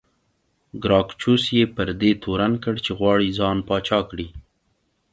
ګراکچوس یې پر دې تورن کړ چې غواړي ځان پاچا کړي